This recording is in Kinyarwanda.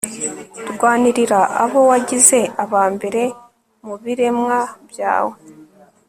rwanirira abo wagize aba mbere mu biremwa byawe